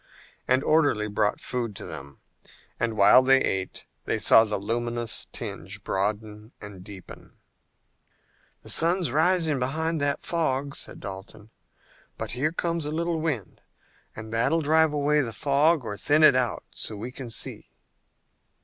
An orderly brought food to them, and while they ate they saw the luminous tinge broaden and deepen. "The sun's rising behind that fog," said Dalton, "but here comes a little wind that will drive away the fog or thin it out so we can see."